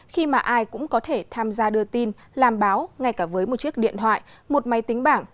khi mà ai cũng có thể tham gia đưa tin làm báo ngay cả với một chiếc điện thoại một máy tính bảng